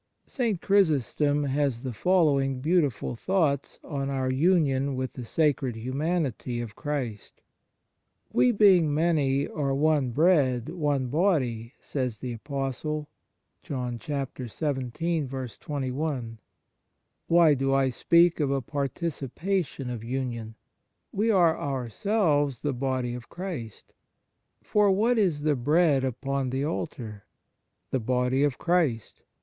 St. Chrysostom has the following beauti ful thoughts on our union with the sacred humanity of Christ. " We being many are one bread, one body, 1 says the Apostle. Why do I speak of a participation of union ? We are ourselves the body of Christ. For what is the bread upon the altar ? The body of Christ.